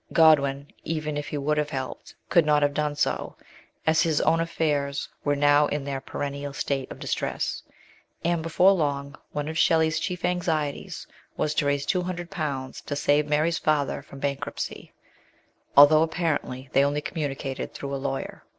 Godwin, even if he would have helped, could not have done so, as his own affairs were now in their perennial state of distress; and before long, one of Shelley's chief anxieties was to raise two hundred pounds to save Mary's father from bankruptcy, although apparently they only communicated through a lawyer.